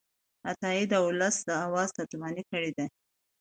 عطايي د ولس د آواز ترجماني کړې ده.